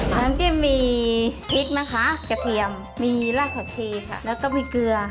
น้ำจิ้มมีพริกนะคะกระเทียมมีรักสเชฟแล้วก็มีเกลือ